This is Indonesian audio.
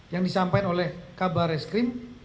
yang disampaikan oleh kabar reskrim